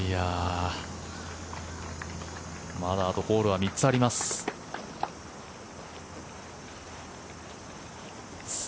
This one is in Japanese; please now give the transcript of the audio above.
まだあとホールは３つあります。